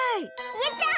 やった！